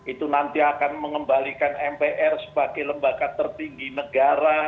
itu nanti akan mengembalikan mpr sebagai lembaga tertinggi negara